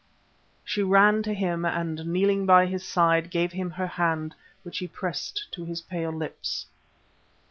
She ran to him and kneeling by his side, gave him her hand, which he pressed to his pale lips.